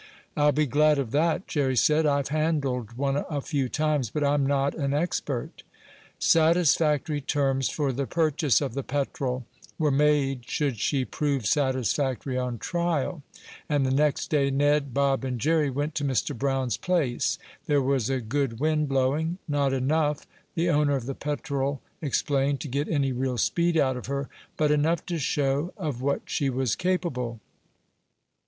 "I'll be glad of that," Jerry said. "I've handled one a few times, but I'm not an expert." Satisfactory terms for the purchase of the Petrel were made should she prove satisfactory on trial, and the next day Ned, Bob and Jerry went to Mr. Brown's place. There was a good wind blowing, not enough, the owner of the Petrel explained, to get any real speed out of her, but enough to show of what she was capable.